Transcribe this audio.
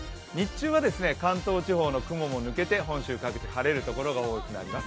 日中は関東地方の雲抜けて本州各地、晴れるところが多いです。